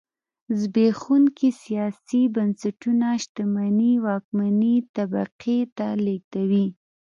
زبېښونکي سیاسي بنسټونه شتمنۍ واکمنې طبقې ته لېږدوي.